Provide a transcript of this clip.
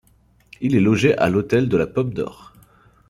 Il est logé à l'Hôtel de la Pomme d'Or.